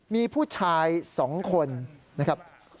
มีผู้ชาย๒คนนะครับ